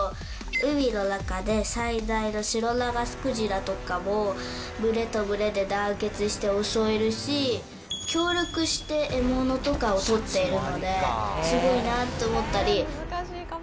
海の中で最大のシロナガスクジラとかも、群れと群れで団結して襲えるし、協力して獲物とかを取っているので、すごいなと思ったり。